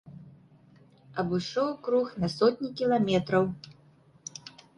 Абышоў круг на сотні кіламетраў.